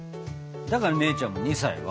だから姉ちゃんも２歳若返ると。